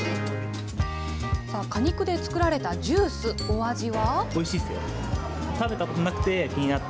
果肉で作られたジュース、お味は？